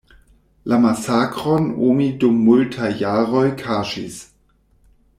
La masakron oni dum multaj jaroj kaŝis.